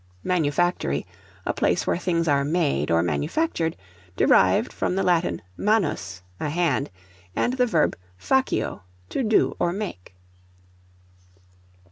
Manufactory, a place where things are made or manufactured; derived from the Latin manus, a hand, and the verb facio, to do or make.